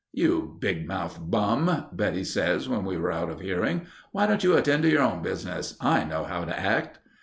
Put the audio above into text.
"'You big mouthed bum,' Betty says when we were out of hearing. 'Why don't you attend to your own business? I know how to act.